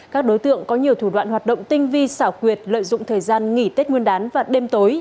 các đối tượng có nhiều thủ đoạn hoạt động tinh vi xảo quyệt lợi dụng thời gian nghỉ tết nguyên đán và đêm tối